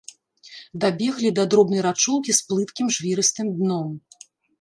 Дабеглі да дробнай рачулкі з плыткім жвірыстым дном.